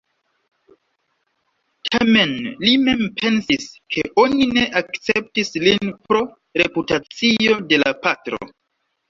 Tamen li mem pensis ke oni ne akceptis lin pro reputacio de la patro.